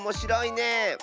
ねえ。